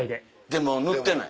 でも塗ってない。